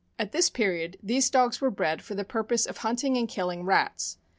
At this period, these dogs were bred for the purpose of hunting and killing rats.